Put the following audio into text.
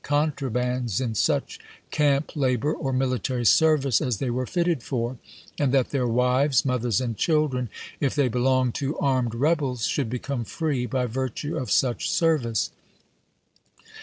ploj Contrabands in such camp labor or military service as they were fitted for, and that their wives, 1862. mothers, and children, if they belonged to armed rebels, should become free by virtue of such ser vice.